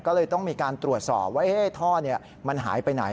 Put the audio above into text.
ก็เลยต้องมีการตรวจสอบว่าท่อมันหายไปไหน